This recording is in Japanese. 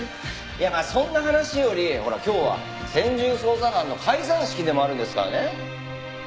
いやまあそんな話よりほら今日は専従捜査班の解散式でもあるんですからね。